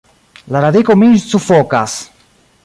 La radiko min sufokas!